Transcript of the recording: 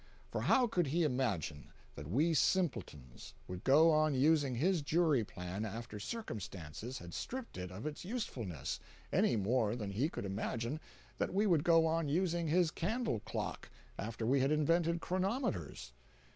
For how could he imagine that we simpletons would go on using his jury plan after circumstances had stripped it of its usefulness, any more than he could imagine that we would go on using his candle clock after we had invented chronometers?